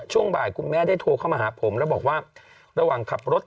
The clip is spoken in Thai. ช่วงบ่ายคุณแม่ได้โทรเข้ามาหาผมแล้วบอกว่าระหว่างขับรถ